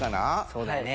そうだよね。